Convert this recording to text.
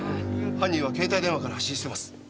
犯人は携帯電話から発信してます。